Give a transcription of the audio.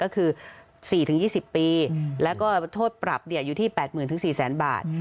ก็คือ๔๒๐ปีแล้วก็โทษปรับอยู่ที่๘๐๐๐๔๐๐๐บาท